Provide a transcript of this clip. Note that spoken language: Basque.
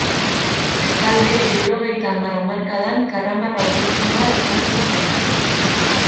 Bestalde, hirurogeita hamar hamarkadan, karramarro autoktonoa desagertu zen.